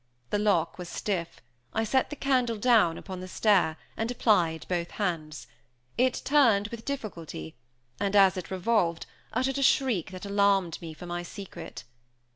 The lock was stiff; I set the candle down upon the stair, and applied both hands; it turned with difficulty and, as it revolved, uttered a shriek that alarmed me for my secret.